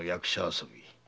遊び